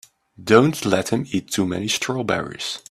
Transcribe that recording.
Don't let him eat too many strawberries.